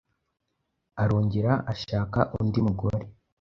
Arongera ashaka undi mugore